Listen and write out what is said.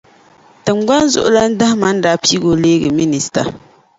Tiŋgbani zuɣulana Dahmani daa piigi o n-lee minisita.